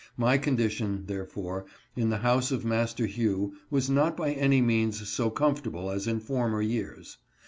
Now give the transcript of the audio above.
My condition, therefore, in the house of Master Hugh was not by any means so com fortable as in former years.